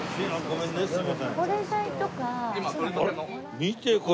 見てこれ。